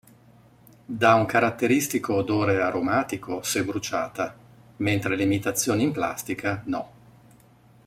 Dà un caratteristico odore aromatico se bruciata, mentre le imitazioni in plastica no.